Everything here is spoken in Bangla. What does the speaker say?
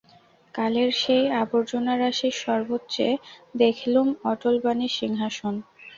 কালের সেই আবর্জনারাশির সর্বোচ্চে দেখলুম অটল বাণীর সিংহাসন।